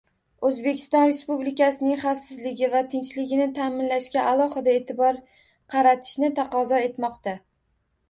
O‘zbekiston Respublikasining xavfsizligi va tinchligini ta’minlashga alohida e’tibor qaratishni taqozo etmoqda.